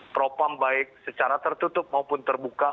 propam baik secara tertutup maupun terbuka